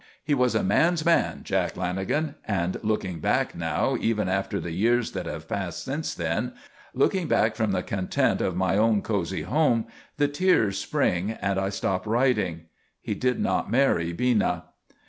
He was a man's man, Jack Lanagan; and looking back now even after the years that have passed since then, looking back from the content of my own cosy home, the tears spring and I stop writing. He did not marry Bina.